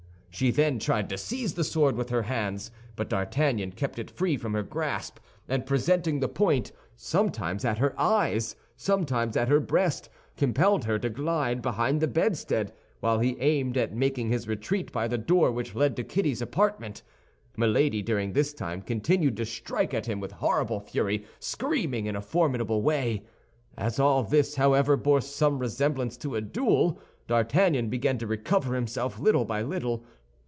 She then tried to seize the sword with her hands; but D'Artagnan kept it free from her grasp, and presenting the point, sometimes at her eyes, sometimes at her breast, compelled her to glide behind the bedstead, while he aimed at making his retreat by the door which led to Kitty's apartment. Milady during this time continued to strike at him with horrible fury, screaming in a formidable way. As all this, however, bore some resemblance to a duel, D'Artagnan began to recover himself little by little.